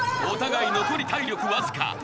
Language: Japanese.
［お互い残り体力わずか。